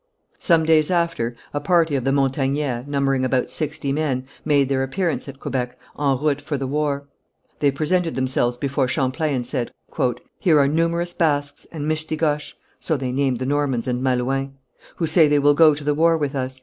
Some days after a party of the Montagnais, numbering about sixty men, made their appearance at Quebec, en route for the war. They presented themselves before Champlain, and said: "Here are numerous Basques and Mistigoches (so they named the Normans and Malouins) who say they will go to the war with us.